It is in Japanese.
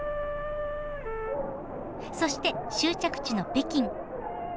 そして終着地の北京。